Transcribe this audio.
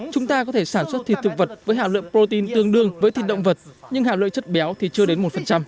chúng ta có thể sản xuất thịt thực vật với hạ lượng protein tương đương với thịt động vật nhưng hạ lượng chất béo thì chưa đến một